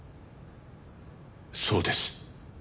そうです。